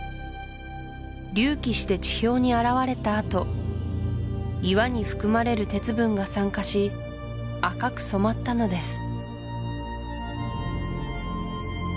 隆起して地表に現れたあと岩に含まれる鉄分が酸化し赤く染まったのです